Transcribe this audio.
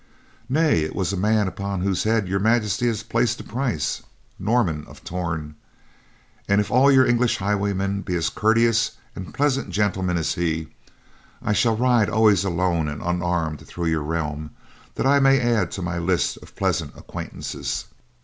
"Nay, it was a man upon whose head Your Majesty has placed a price, Norman of Torn; and if all of your English highwaymen be as courteous and pleasant gentlemen as he, I shall ride always alone and unarmed through your realm that I may add to my list of pleasant acquaintances."